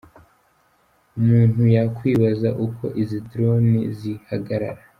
Umuntu yakwibaza uko izi drone zihagarara:.